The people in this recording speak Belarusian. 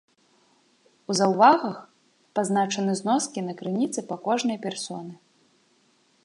У заўвагах пазначаны зноскі на крыніцы па кожнай персоны.